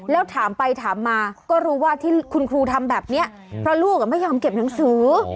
แล้วถามไปถามมาก็รู้ว่าที่คุณครูทำแบบนี้เพราะลูกไม่ยอมเก็บหนังสือ